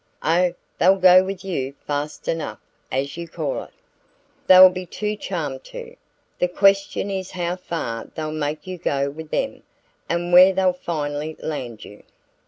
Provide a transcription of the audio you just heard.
"Oh, they'll go with you fast enough, as you call it. They'll be too charmed to. The question is how far they'll make you go with THEM, and where they'll finally land you."